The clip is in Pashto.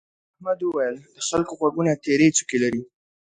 احمد وويل: د خلکو غوږونه تيرې څوکې لري.